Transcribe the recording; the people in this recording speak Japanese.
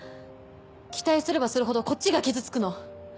期待すればするほどこっちが傷つくの。